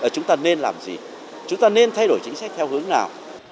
chúng ta nên làm gì chúng ta nên thay đổi chính sách theo hướng nào